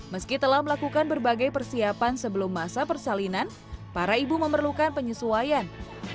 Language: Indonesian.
meski telah melakukan berbagai persiapan sebelum masa persalinan para ibu memerlukan penyesuaian